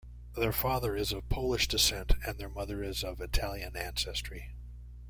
Their father is of Polish descent and their mother is of Italian ancestry.